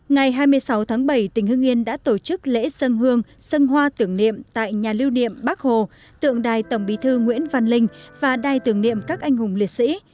ngày hai mươi sáu tháng bảy tỉnh hưng yên đã tổ chức lễ sân hương sân hoa tưởng niệm tại nhà lưu niệm bắc hồ tượng đài tổng bí thư nguyễn văn linh và đài tưởng niệm các anh hùng liệt sĩ